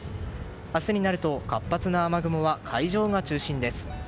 明日になると活発な雨雲が海上が中心です。